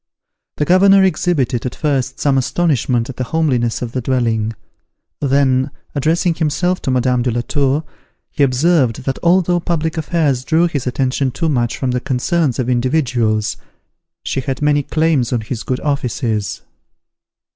The governor exhibited, at first, some astonishment at the homeliness of the dwelling; then, addressing himself to Madame de la Tour, he observed, that although public affairs drew his attention too much from the concerns of individuals, she had many claims on his good offices.